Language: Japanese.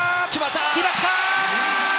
決まった！